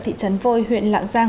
thị trấn vôi huyện lạng giang